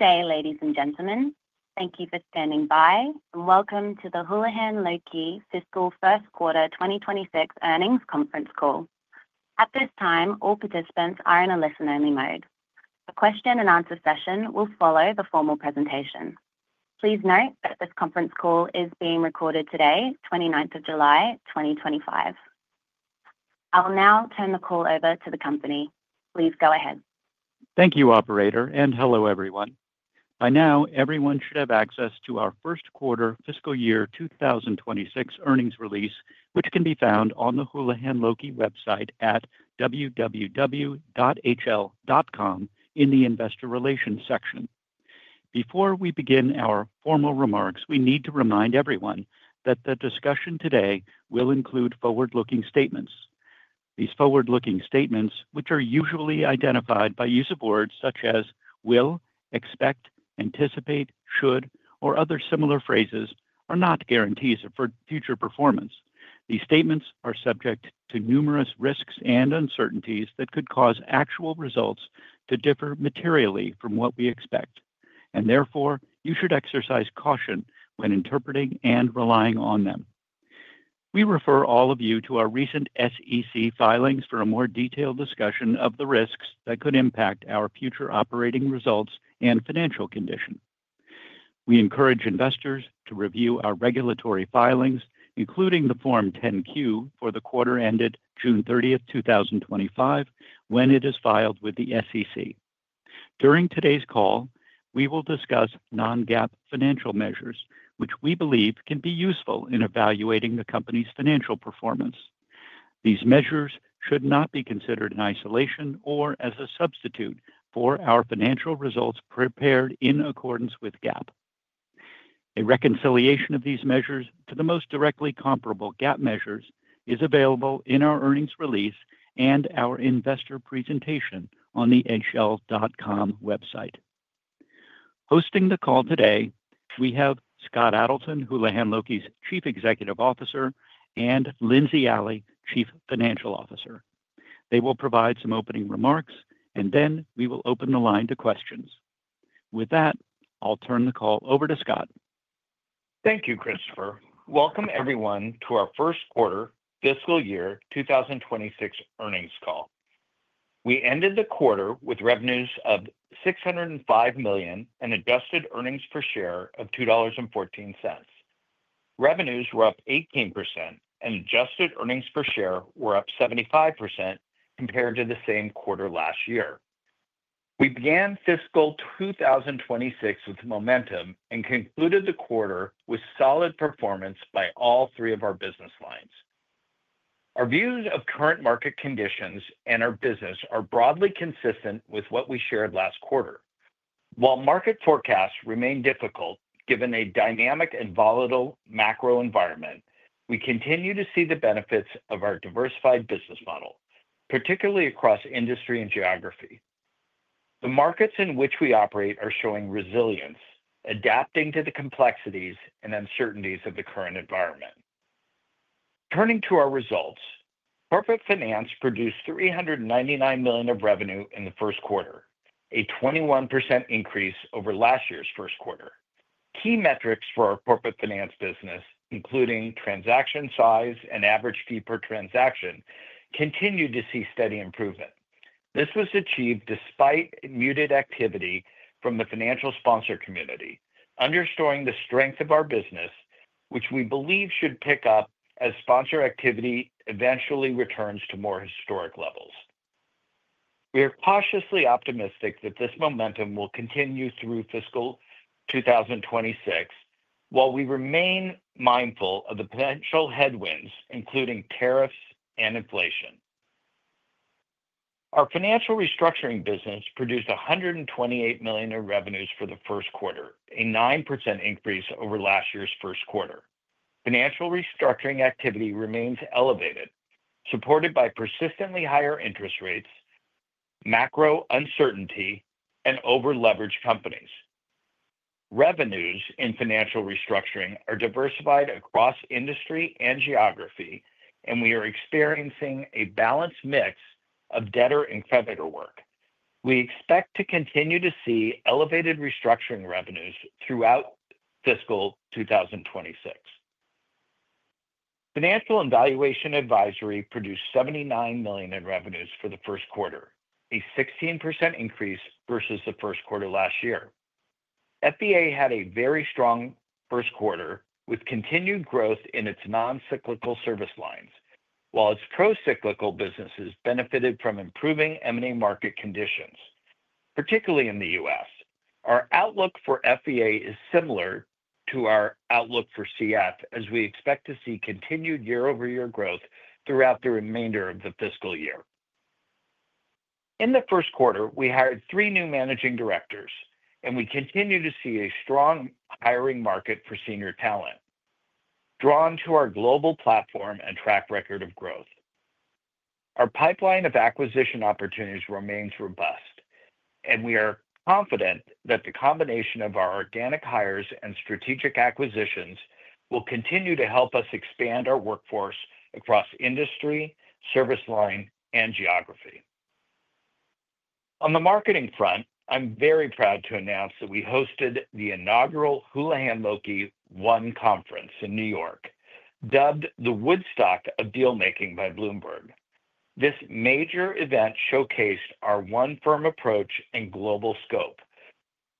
Good day, ladies and gentlemen. Thank you for standing by and welcome to the Houlihan Lokey Fiscal First Quarter 2026 Earnings Conference Call. At this time, all participants are in a listen-only mode. A question and answer session will follow the formal presentation. Please note that this conference call is being recorded today, 29th of July, 2025. I will now turn the call over to the company. Please go ahead. Thank you, Operator, and hello everyone. By now everyone should have access to our First Quarter Fiscal Year 2026 earnings release, which can be found on the Houlihan Lokey website at www.hl.com in the Investor Relations section. Before we begin our formal remarks, we need to remind everyone that the discussion today will include forward-looking statements. These forward-looking statements, which are usually identified by use of words such as will, expect, anticipate, should, or other similar phrases, are not guarantees of future performance. These statements are subject to numerous risks and uncertainties that could cause actual results to differ materially from what we expect, and therefore you should exercise caution when interpreting and relying on them. We refer all of you to our recent SEC filings for a more detailed discussion of the risks that could impact our future operating results and financial condition. We encourage investors to review our regulatory filings, including the Form 10-Q for the quarter ended June 30th, 2025, when it is filed with the SEC. During today's call, we will discuss non-GAAP financial measures, which we believe can be useful in evaluating the Company's financial performance. These measures should not be considered in isolation or as a substitute for our financial results prepared in accordance with GAAP. A reconciliation of these measures to the most directly comparable GAAP measures is available in our earnings release and our investor presentation on the hl.com website. Hosting the call today, we have Scott Adelson, Houlihan Lokey's Chief Executive Officer, and Lindsey Alley, Chief Financial Officer. They will provide some opening remarks, and then we will open the line to questions. With that, I'll turn the call over to Scott. Thank you Christopher. Welcome everyone to our First Quarter Fiscal Year 2026 Earnings Call. We ended the quarter with revenues of $605 million and adjusted earnings per share of $2.14. Revenues were up 18% and adjusted earnings per share were up 75% compared to the same quarter last year. We began fiscal 2026 with momentum and concluded the quarter with solid performance by all three of our business lines. Our views of current market conditions and our business are broadly consistent with what we shared last quarter. While market forecasts remain difficult given a dynamic and volatile macro environment, we continue to see the benefits of our diversified business model, particularly across industry and geography. The markets in which we operate are showing resilience, adapting to the complexities and uncertainties of the current environment. Turning to our results, Corporate Finance produced $399 million of revenue in the 1st quarter, a 21% increase over last year's 1st quarter. Key metrics for our Corporate Finance business, including transaction size and average fee per transaction, continued to see steady improvement. This was achieved despite muted activity from the financial sponsor community, underscoring the strength of our business, which we believe should pick up as sponsor activity eventually returns to more historic levels. We are cautiously optimistic that this momentum will continue through fiscal 2026 while we remain mindful of the potential headwinds including tariffs and inflation. Our Financial Restructuring business produced $128 million in revenues for the 1st quarter and a 9% increase over last year's 1st quarter. Financial Restructuring activity remains elevated, supported by persistently higher interest rates, macro uncertainty and overleveraged companies. Revenues in Financial Restructuring are diversified across industry and geography and we are experiencing a balanced mix of debtor and creditor work. We expect to continue to see elevated restructuring revenues throughout fiscal 2026. Financial and Valuation Advisory produced $79 million in revenues for the 1st quarter, a 16% increase versus the 1st quarter last year. FVA had a very strong 1st quarter with continued growth in its non-cyclical service lines while its pro-cyclical businesses benefited from improving MA market conditions, particularly in the U.S. Our outlook for FVA is similar to our outlook for CF as we expect to see continued year-over-year growth throughout the remainder of the fiscal year. In the 1st quarter we hired three new managing directors and we continue to see a strong hiring market for senior talent drawn to our global platform and track record of growth. Our pipeline of acquisition opportunities remains robust and we are confident that the combination of our organic hires and strategic acquisitions will continue to help us expand our workforce across industry, service line, and geography. On the marketing front, I'm very proud to announce that we hosted the inaugural Houlihan Lokey One conference in New York. Dubbed the Woodstock of Dealmaking by Bloomberg, this major event showcased our one firm approach and global scope.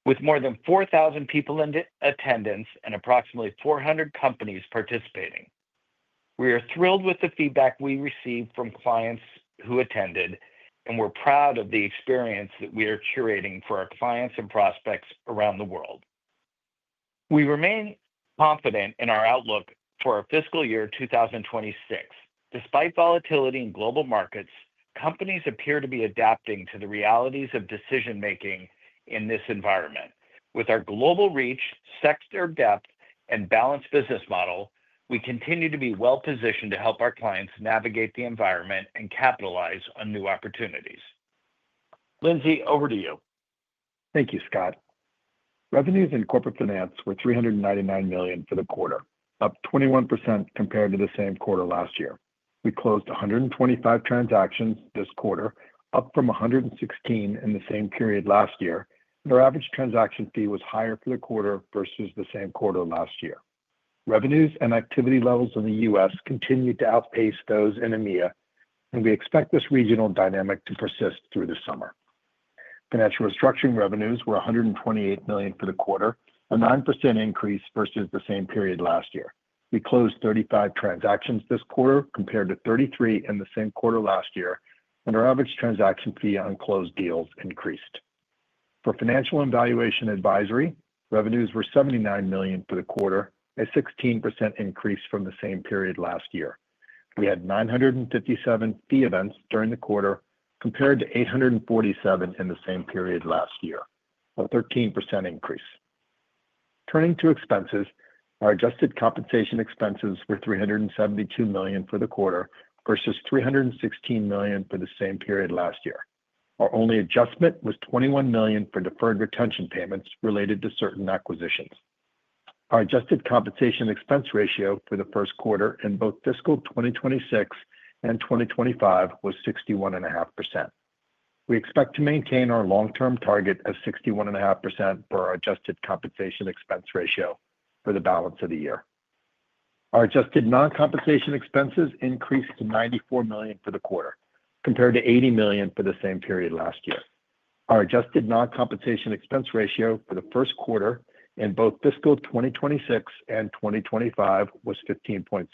With more than 4,000 people in attendance and approximately 400 companies participating, we are thrilled with the feedback we received from clients who attended and we're proud of the experience that we are curating for our clients and prospects around the world. We remain confident in our outlook for our fiscal year 2026. Despite volatility in global markets, companies appear to be adapting to the realities of decision making in this environment. With our global reach, sector depth, and balanced business model, we continue to be well positioned to help our clients navigate the environment and capitalize on new opportunities. Lindsey, over to you. Thank you, Scott. Revenues in Corporate Finance were $399 million for the quarter, up 21% compared to the same quarter last year. We closed 125 transactions this quarter, up from 116 in the same period last year, and our average transaction fee was higher for the quarter versus the same quarter last year. Revenues and activity levels in the U.S. continue to outpace those in EMEA and we expect this regional dynamic to persist through the summer. Financial Restructuring revenues were $128 million for the quarter, a 9% increase versus the same period last year. We closed 35 transactions this quarter compared to 33 in the same quarter last year, and our average transaction fee on closed deals increased. For Financial and Valuation Advisory, revenues were $79 million for the quarter, a 16% increase from the same period last year. We had 957 fee events during the quarter compared to 847 in the same period last year, a 13% increase. Turning to expenses, our adjusted compensation expenses were $372 million for the quarter versus $316 million for the same period last year. Our only adjustment was $21 million for deferred retention payments related to certain acquisitions. Our adjusted compensation expense ratio for the 1st quarter in both fiscal 2026 and 2025 was 61.5%. We expect to maintain our long-term target of 61.5% for our adjusted compensation expense ratio for the balance of the year. Our adjusted non-compensation expenses increased to $94 million for the quarter compared to $80 million for the same period last year. Our adjusted non-compensation expense ratio for the 1st quarter in both fiscal 2026 and 2025 was 15.6%.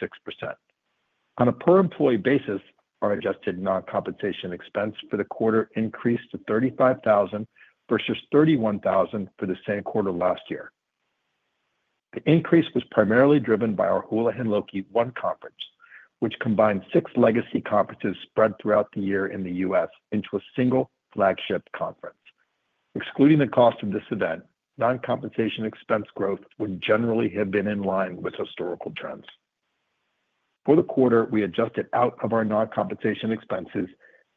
On a per employee basis, our adjusted non-compensation expense for the quarter increased to $35,000 versus $31,000 for the same quarter last year. The increase was primarily driven by our Houlihan Lokey One conference, which combined six legacy conferences spread throughout the year in the U.S. into a single flagship conference. Excluding the cost of this event, non-compensation expense growth would generally have been in line with historical trends. For the quarter we adjusted out of our non-compensation expenses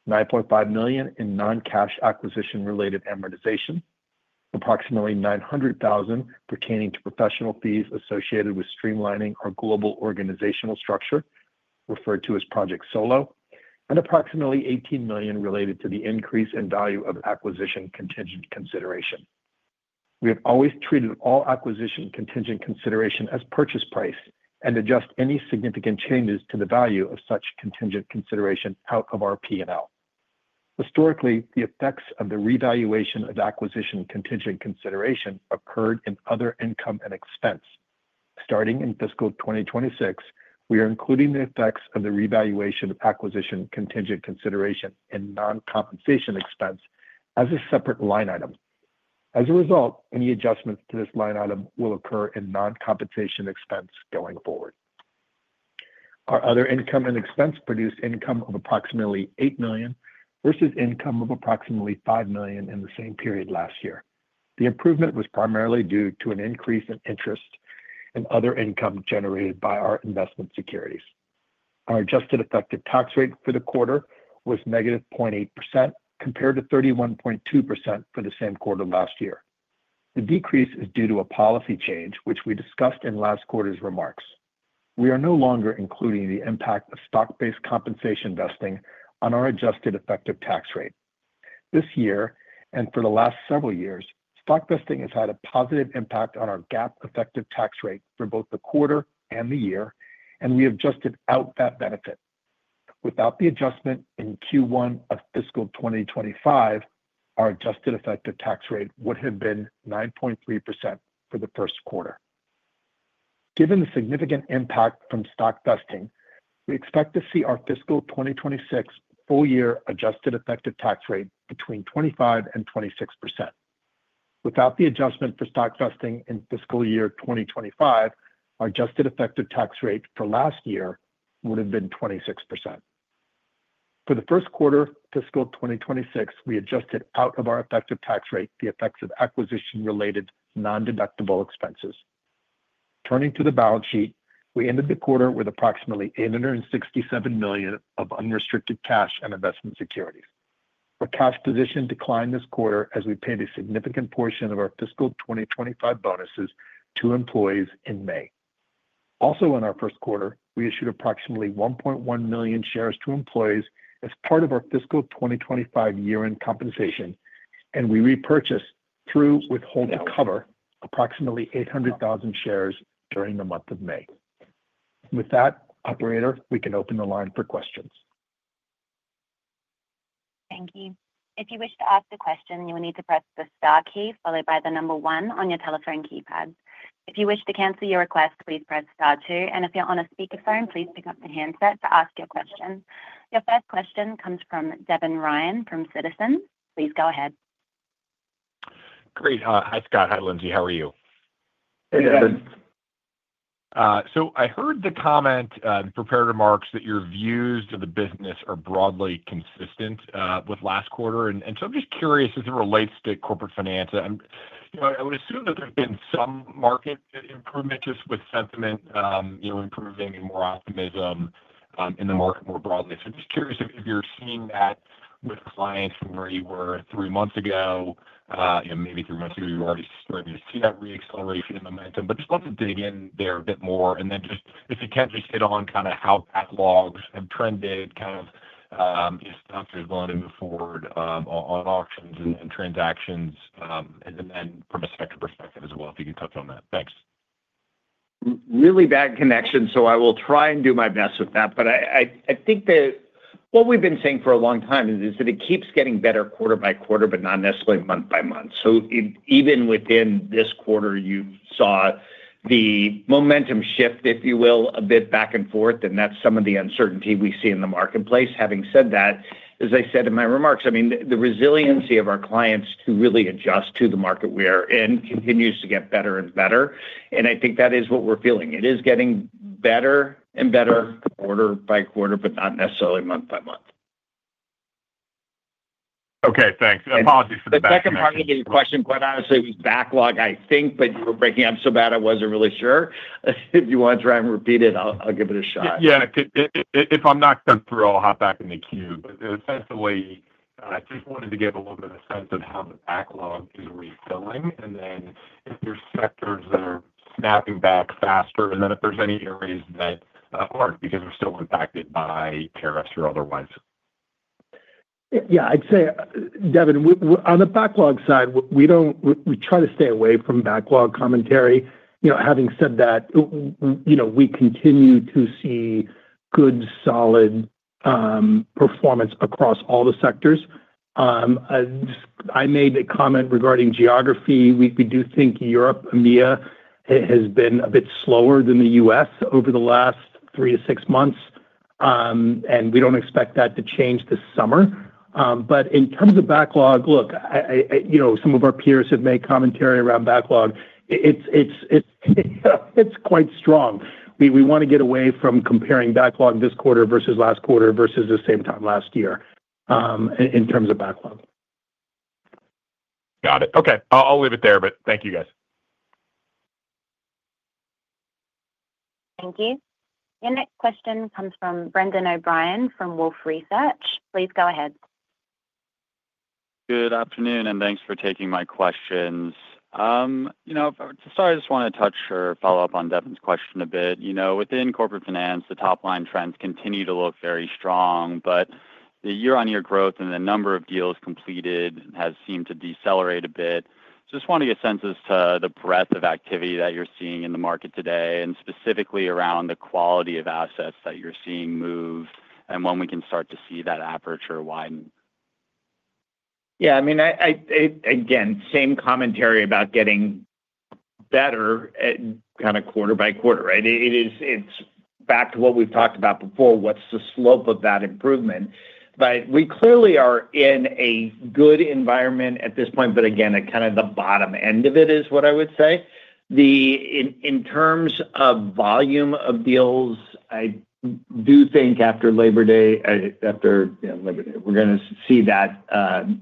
$9.5 million in non-cash acquisition-related amortization, approximately $900,000 pertaining to professional fees associated with streamlining our global organizational structure referred to as Project Solo, and approximately $18 million related to the increase in value of acquisition contingent consideration. We have always treated all acquisition contingent consideration as purchase price and adjust any significant changes to the value of such contingent consideration out of our P&L. Historically, the effects of the revaluation of acquisition contingent consideration occurred in other income and expense. Starting in fiscal 2026, we are including the effects of the revaluation of acquisition contingent consideration in non-compensation expense as a separate line item. As a result, any adjustments to this line item will occur in non-compensation expense. Going forward, our other income and expense produced income of approximately $8 million versus income of approximately $5 million in the same period last year. The improvement was primarily due to an increase in interest and other income generated by our investment securities. Our adjusted effective tax rate for the quarter was -0.8% compared to 31.2% for the same quarter last year. The decrease is due to a policy change which we discussed in last quarter's remarks. We are no longer including the impact of stock-based compensation vesting on our adjusted effective tax rate. This year and for the last several years, stock vesting has had a positive impact on our GAAP effective tax rate. Versus for both the quarter and the. Year and we have adjusted out that benefit. Without the adjustment in Q1 of fiscal 2025, our adjusted effective tax rate would have been 9.3% for the 1st quarter. Given the significant impact from stock vesting, we expect to see our fiscal 2026 full year adjusted effective tax rate between 25-26%. Without the adjustment for stock vesting in fiscal year 2025, our adjusted effective tax rate for last year would have been 26%. For the 1st quarter fiscal 2026, we adjusted out of our effective tax rate the effects of acquisition related non deductible expenses. Turning to the balance sheet, we ended the quarter with approximately $867 million of unrestricted cash and investment securities. Our cash position declined this quarter as we paid a significant portion of our fiscal 2025 bonuses to employees in May. Also in our first quarter, we issued approximately 1.1 million shares to employees as part of our fiscal 2025 year end compensation and we repurchased through withhold to cover approximately 800,000 shares during the month of May. With that operator, we can open the line for questions. Thank you. If you wish to ask a question, you will need to press the star key followed by the number one on your telephone keypad. If you wish to cancel your request, please press star two and if you're on a speakerphone, please pick up the handset to ask your question. Your first question comes from Devin Ryan from Citizens. Please go ahead. Great. Hi, Scott. Hi, Lindsey. How are you? Hey, Devin. I heard the comment in prepared remarks that your views of the business are broadly consistent with last quarter. I am just curious, as it relates to Corporate Finance, I would assume that there has been some market improvement, just with sentiment improving and more optimism in the market more broadly. I am just curious if you are seeing that. With clients from where you were three. Months ago, maybe three months ago, you're already starting to see that reacceleration in momentum, but just love to dig. In there a bit more, and then. Just if you can just hit on. Kind of how backlogs have trended, kind. Of. Move forward on auctions and transactions, and then from a spectrum perspective as. If you can touch on that. Thanks. Really bad connection. I will try and do my best with that. I think that what we've been saying for a long time is that it keeps getting better quarter by quarter, but not necessarily month by month. Even within this quarter, you saw the momentum shift, if you will, a bit back and forth. That is some of the uncertainty we see in the marketplace. Having said that, as I said in my remarks, I mean the resiliency of our clients to really adjust to the market we are in continues to get better and better. I think that is what we're feeling. It is getting better and better quarter by quarter, but not necessarily month by month. Okay, thanks. Apologies for the second part of your question. Quite honestly, it was backlog, I think, but you were breaking up so bad I wasn't really sure. If you want to try and repeat it, I'll give it a shot. Yeah, if I'm not through, I'll hop. Back in the queue. Essentially I just wanted to give a little bit of sense of how the backlog is refilling and then if. are sectors that are snapping back faster and then if there are any areas that. Aren't because we're still impacted by tariffs or otherwise. Yeah, I'd say, Devin, on the backlog side, we don't. We try to stay away from backlog commentary. You know, having said that, you know, we continue to see good, solid performance across all the sectors. I made a comment regarding geography. We do think Europe EMEA has been a bit slower than the U.S. over the last three to six months, and we don't expect that to change this summer. In terms of backlog, look, you know, some of our peers have made commentary around backlog, it's quite strong. We want to get away from comparing backlog this quarter versus last quarter versus the same time last year in terms of backlog. Got it. Okay, I'll leave it there. Thank you guys. Thank you. Your next question comes from Brendan O'Brien from Wolfe Research. Please go ahead. Good afternoon and thanks for taking my questions. You know, to start, I just want. To touch or follow up on Devin's question, you know, within Corporate Finance, the top line trends continue to look very strong. The year-on-year growth in the number of deals completed has seemed to decelerate a bit. Just want to get a sense as to the breadth of activity that you're seeing in the market today and specifically around the quality of assets that you're seeing move and when we can start to see that aperture widen. Yeah, I mean again, same commentary about getting better kind of quarter by quarter, right? It is, it's back to what we've talked about before. What's the slope of that improvement? We clearly are in a good environment at this point. Again, at kind of the bottom end of it is what I would say in terms of volume of deals. I do think after Labor Day, after Labor Day, we're going to see that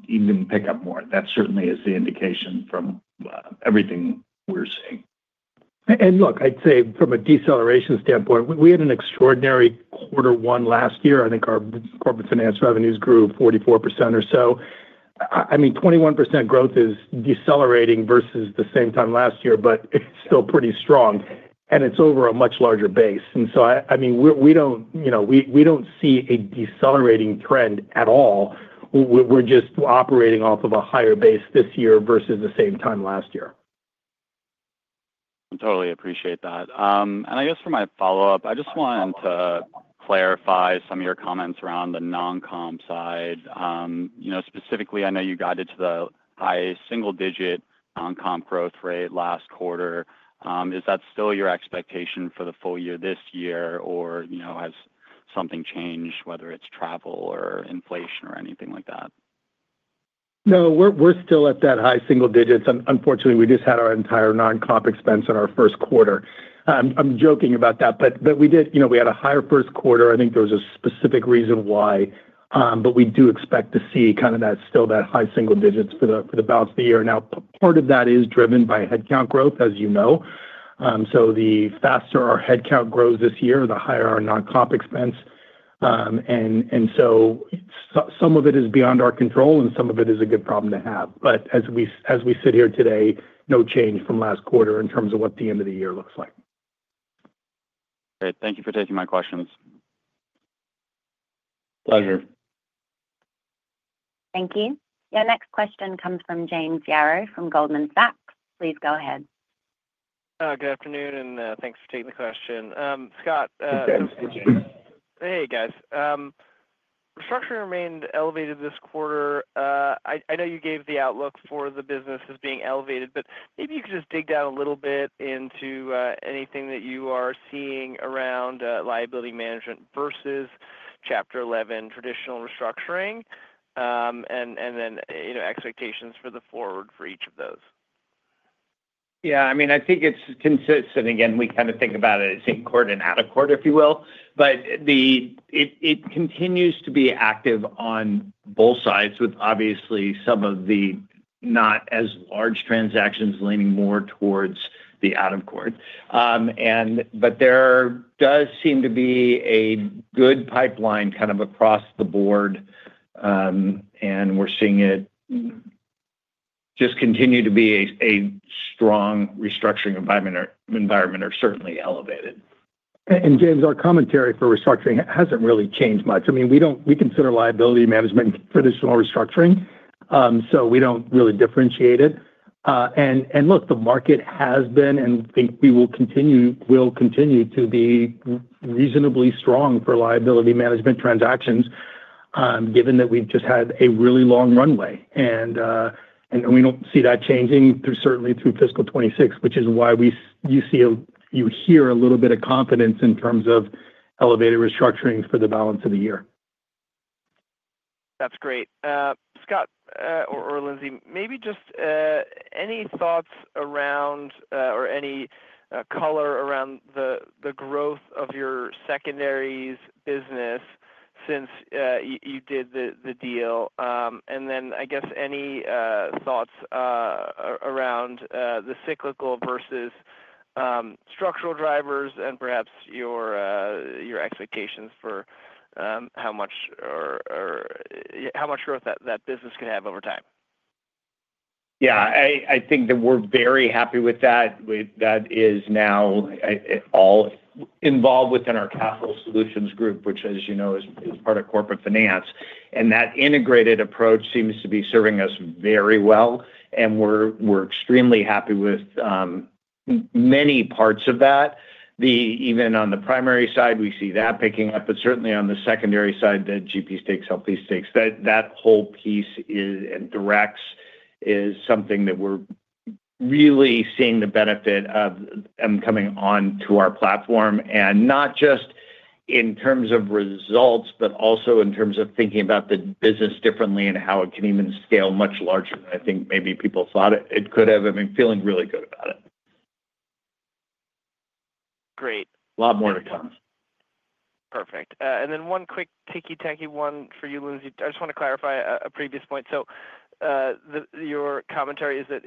even pick up more. That certainly is the indication from everything we're seeing. Look, I'd say from a deceleration standpoint, we had an extraordinary quarter one last year. I think our Corporate Finance revenues grew 44% or so. I mean 21% growth is decelerating versus the same time last year, but still pretty strong. It's over a much larger base. I mean we don't, you know, we don't see a decelerating trend at all. We're just operating off of a higher base this year versus the same time last year. I totally appreciate that. I guess for my follow up, I just wanted to clarify some of your comments around the non comp side. You know, specifically, I know you guided to the high single digit non comp growth rate last quarter. Is that still your expectation for the full year this year or, you know, has something changed, whether it is travel or inflation or anything like that? No, we're still at that high single digits, unfortunately. We just had our entire non-comp expense in our 1st quarter. I'm joking about that. But we did, you know, we had a higher 1st quarter. I think there was a specific reason why. We do expect to see kind of that still that high single digits for the balance of the year. Part of that is driven by headcount growth, as you know. The faster our headcount grows this year, the higher our non-comp expense. Some of it is beyond our control and some of it is a good problem to have. As we sit here today, no change from last quarter in terms of what the end of the year looks like. Great. Thank you for taking my questions. Pleasure. Thank you. Your next question comes from James Yarrow from Goldman Sachs. Please go ahead. Good afternoon and thanks for taking the question. Scott. Hey guys. Restructuring remained elevated this quarter. I know you gave the outlook for the business as being elevated, but maybe you could just dig down a little bit into anything that you are seeing around liability management versus chapter 11 traditional restructuring and then expectations for the forward. For each of those. Yeah, I mean I think it's consistent. Again we kind of think about it as in court and out of court, if you will. It continues to be active on both sides with obviously some of the not as large transactions leaning more towards the out of court. There does seem to be a good pipeline kind of across the board and we're seeing it just continue to be a strong restructuring environment or certainly elevated. James, our commentary for restructuring hasn't really changed much. I mean we consider liability management traditional restructuring so we don't really differentiate it. Look, the market has been and I think will continue to be reasonably strong for liability management transactions. Given that we've just had a really long runway and we don't see that changing certainly through fiscal 2026, which is why you hear a little bit of confidence in terms of elevated restructuring for the balance of the year. That's great. Scott or Lindsey, maybe just any thoughts around or any color around the growth of your secondaries business since you did the deal? And then I guess any thoughts around the cyclical versus structural drivers and perhaps your expectations for how much or how much growth that business could have over time? Yeah, I think that we're very happy with that. That is now all involved within our Capital Solutions group, which as you know is part of Corporate Finance. That integrated approach seems to be serving us very well and we're extremely happy with many parts of that. Even on the primary side we see that picking up, but certainly on the secondary side, the GP stakes, LP stakes, that whole piece and directs is something that we're really seeing the benefit of coming onto our platform and not just in terms of results but also in terms of thinking about the business differently and how it can even scale much larger than I think maybe people thought it could have. I mean, feeling really good about it. Great. A lot more to come. Perfect. And then one quick ticky, tanky one for you, Lindsey. I just want to clarify a previous point. So your commentary is that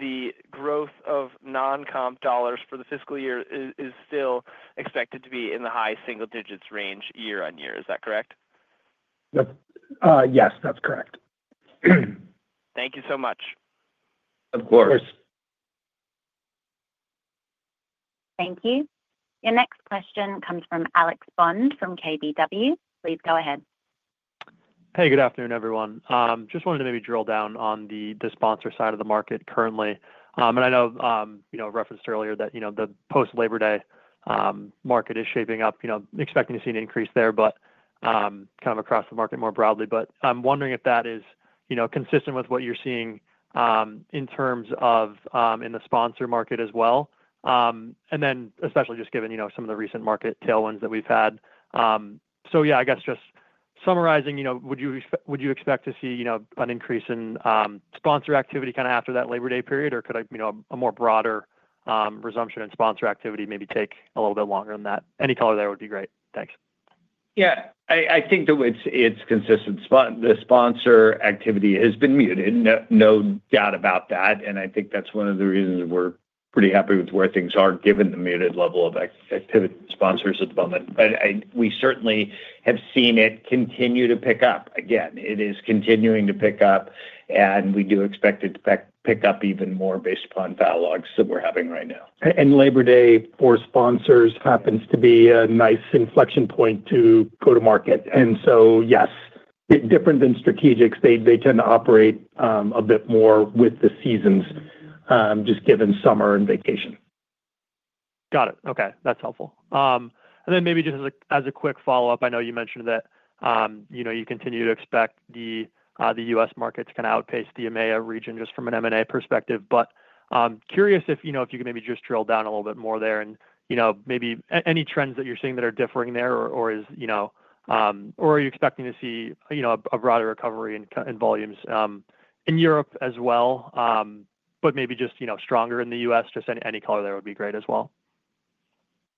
the growth of non comp dollars for the fiscal year is still expected to be in. The high single digits range year on year. Is that correct? Yes, that's correct. Thank you so much. Of course. Thank you. Your next question comes from Alex Bond from KBW. Please go ahead. Hey, good afternoon everyone. Just wanted to maybe drill down on the sponsor side of the market currently. I know, you know, referenced earlier that, you know, the post Labor Day market is shaping up, you know, expecting to see an increase there, kind of across the market more broadly. I'm wondering if that is, you know, consistent with what you're seeing in terms of in the sponsor market as well, especially just given, you know, some of the recent market tailwinds that we've had. Yeah, I guess just summarizing, you. Know, would you, would you expect to? See, you know, an increase in sponsor activity kind of after that Labor Day period, or could a more broader resumption in sponsor activity maybe take a little bit longer than that? Any color there would be great. Thanks. Yeah, I think that it's consistent. The sponsor activity has been muted, no doubt about that. I think that's one of the reasons we're pretty happy with where things are given the muted level of activity sponsors at the moment. We certainly have seen it continue to pick up again. It is continuing to pick up. We do expect it to pick up. Even more based upon dialogues that we're having right now. Labor Day for sponsors happens to be a nice inflection point to go to market. Yes, different than strategics, they tend to operate a bit more with the seasons just given summer and vacation. Got it. Okay, that's helpful. Maybe just as a quick follow up, I know you mentioned that you continue to expect the U.S. market to kind of outpace the EMEA region just from an M&A perspective, but curious if you could maybe just drill down a little bit more there and maybe any trends that you're seeing that are differing there or is there or are you expecting to see a broader recovery in volumes in Europe as well, but maybe just stronger in the U.S. Just any color there would be great as well.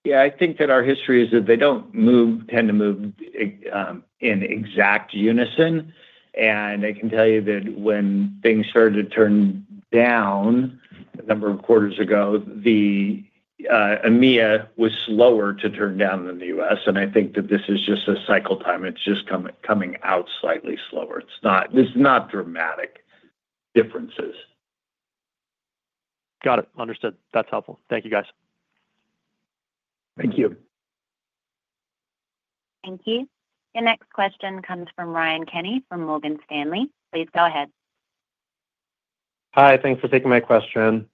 Yeah, I think that our history is that they do not tend to move in exact unison. I can tell you that when things started to turn down a number of quarters ago, the EMEA was slower to turn down than the U.S. I think that this is just a cycle time. It is just coming out slightly slower. It is not, it is not dramatic differences. Got it. Understood. That's helpful. Thank you, guys. Thank you. Thank you. The next question comes from Ryan Kenny from Morgan Stanley. Please go ahead. Hi. Thanks for taking my question.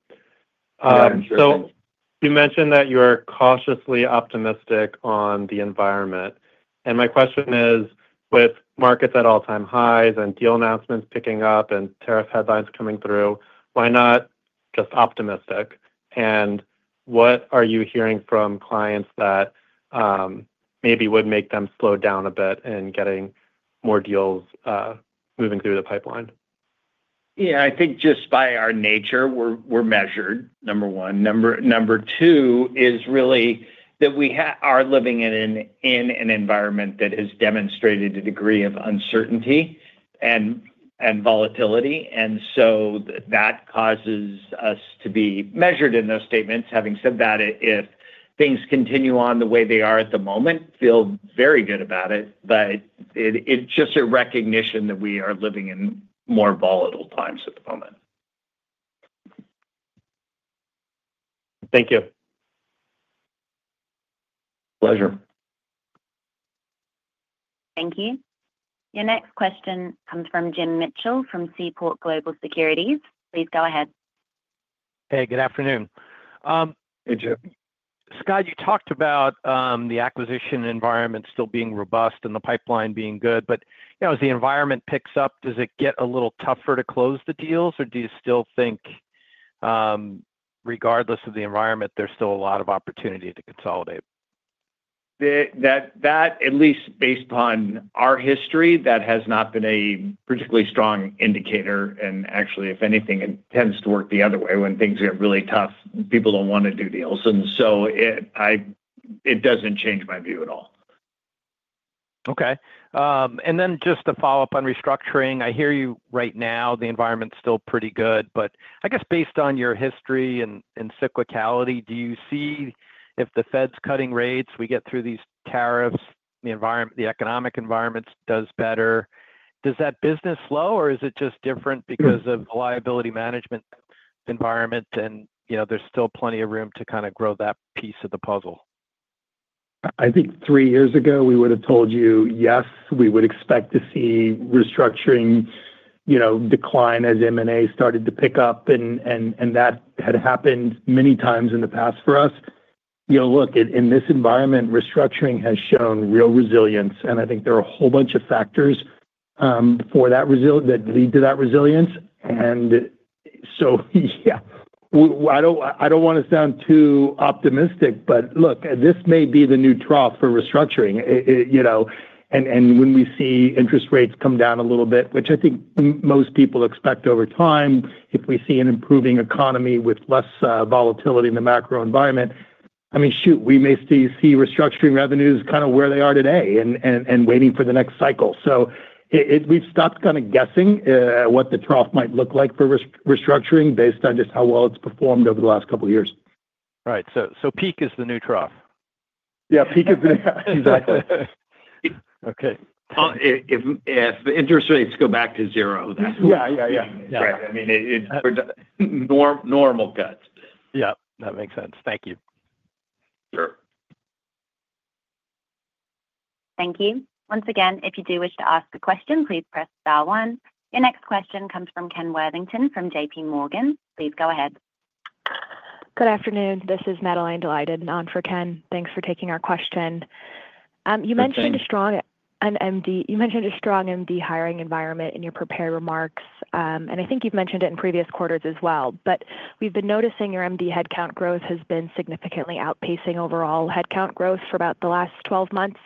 You mentioned that you are cautiously optimistic on the environment. My question is with markets at all-time highs and deal announcements picking up and tariff headlines coming through, why not just optimistic? What are you hearing from clients that maybe would make them slow down a bit in getting more deals moving through the pipeline? Yeah, I think just by our nature, we're measured, number one. Number two is really that we are living in an environment that has demonstrated a degree of uncertainty and volatility. That causes us to be measured in those statements. Having said that, if things continue on the way they are at the moment, feel very good about it, but it's just a recognition that we are living in more volatile times at the moment. Thank you. Pleasure. Thank you. Your next question comes from Jim Mitchell from Seaport Global Securities. Please go ahead. Hey, good afternoon. Hey, Jim. Scott, you talked about the acquisition environment still being robust and the pipeline being good. As the environment picks up, does. It get a little tougher to close the deals? Do you still think regardless of the environment, there's still a lot of opportunity to consolidate? That? At least based on our history, that has not been a particularly strong indicator. Actually, if anything, it tends to work the other way. When things get really tough, people do not want to do deals. It does not change my view at all. Okay. Just to follow up on restructuring, I hear you. Right now, the environment's still pretty good. I guess based on your history and cyclic, do you see if the Fed's cutting rates, we get through these tariffs, the environment, the economic environment does. Better, does that business slow or is. it just different because of the liability management environment? You know, there's still plenty of room to kind of grow that piece of the puzzle. I think three years ago we would have told you, yes, we would expect to see restructuring, you know, decline as M&A started to pick up. That had happened many times in the past for us. You know, look, in this environment, restructuring has shown real resilience. I think there are a whole bunch of factors for that result that lead to that resilience. Yeah, I don't want to sound too optimistic, but look, this may be the new trough for restructuring, you know, and when we see interest rates come down a little bit, which I think most people expect over time, if we see an improving economy with less volatility in the macro environment, I mean, shoot, we may still see restructuring revenues kind of where they are today and waiting for the next cycle. We've stopped kind of guessing what the trough might look like for restructuring based on just how well it's performed over the last couple of years. Right. Peak is the new trough. Yeah, peak is exactly. Okay. If the interest rates go back to zero, that's, yeah. Right. I mean, normal cuts. Yep. That makes sense. Thank you. Sure. Thank you. Once again, if you do wish to ask a question, please press Star one. Your next question comes from Ken Worthington from J.P. Morgan. Please go ahead. Good afternoon, this is Madeline. Delighted on for Ken, thanks for taking our question. You mentioned a strong MD hiring environment in your prepared remarks, and I think you've mentioned it in previous quarters as well. We've been noticing your MD headcount growth has been significantly outpacing overall headcount growth for about the last 12 months.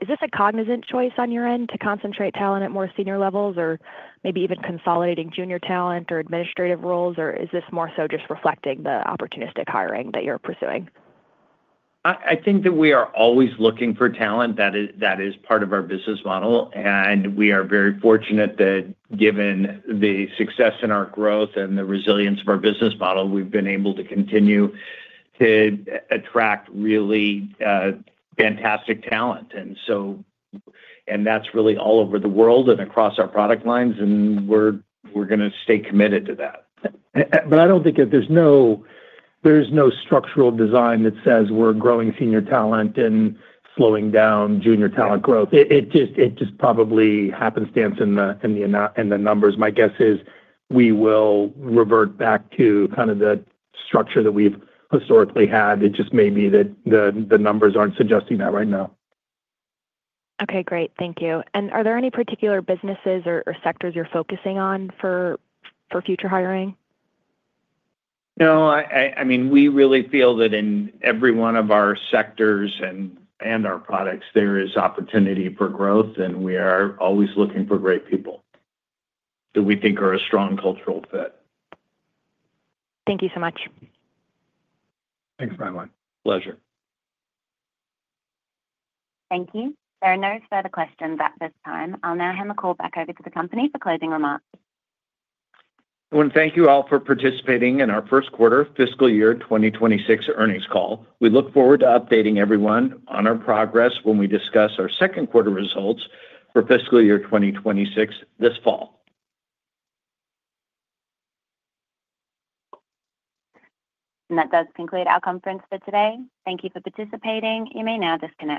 Is this a cognizant choice on your end to concentrate talent at more senior levels or maybe even consolidating junior talent or administrative roles? Is this more so just reflecting the opportunistic hiring that you're pursuing? I think that we are always looking for talent. That is part of our business model. We are very fortunate that, given the success and our growth and the resilience of our business model, we've been able to continue to attract really fantastic talent. That is really all over the world and across our product lines. We are going to stay committed to that. I don't think that there's no structural design that says we're growing senior talent and slowing down junior talent growth. It just probably happenstance in the numbers. My guess is we will revert back to kind of the structure that we've historically had. It just may be that the numbers aren't suggesting that right now. Okay, great. Thank you. Are there any particular businesses or sectors you're focusing on for future hiring? No. I mean, we really feel that in every one of our sectors and our products, there is opportunity for growth and we are always looking for great people that we think are a strong cultural fit. Thank you so much. Thanks Madeline. Pleasure. Thank you. There are no further questions at this time. I'll now hand the call back over to the company for closing remarks. I want to thank you all for. Participating in our First Quarter Fiscal Year 2026 Earnings Call. We look forward to updating everyone on our progress when we discuss our 2nd quarter results for fiscal year 2026 this fall. That does conclude our conference for today. Thank you for participating. You may now disconnect.